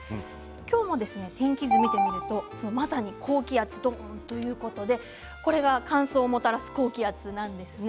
今日の天気図を見てみるとまさに高気圧ということでこれが乾燥をもたらす高気圧なんですね。